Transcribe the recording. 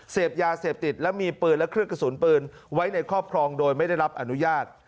เสพยาเสพติดและมีปืนและเครื่องกระสุนปืนไว้ในครอบครองโดยไม่ได้รับอนุญาต